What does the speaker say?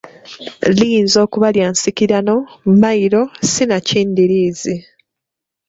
Liyinza okuba lya nsikirano, mmayiro sinakindi liizi.